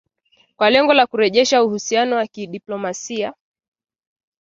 Kwa lengo la kurejesha uhusiano wa kidiplomasia.